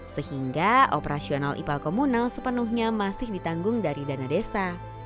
sehingga operasional ipal komunal sepenuhnya masih ditanggung dari dana desa